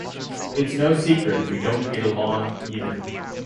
It's no secret we don't get along either.